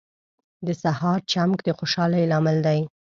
• د سهار چمک د خوشحالۍ لامل دی.